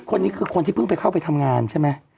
คนนี้คือคนที่เพิ่งไปเข้าไปทำงานใช่ไหม